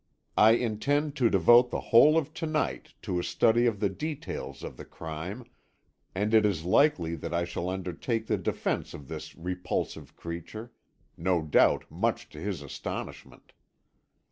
I intend to devote the whole of to night to a study of the details of the crime, and it is likely that I shall undertake the defence of this repulsive creature no doubt much to his astonishment.